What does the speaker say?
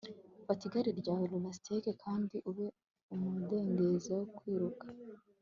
fata igare ryawe. roller-skate, kandi ube umudendezo wo kwiruka